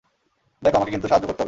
দেখো, আমাকে কিন্তু সাহায্য করতে হবে।